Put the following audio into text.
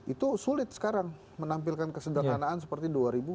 itu sulit sekarang menampilkan kesederhanaan seperti dua ribu dua puluh